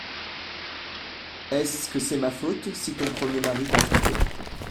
Est-ce que c’est ma faute si ton premier mari t’a trompée ?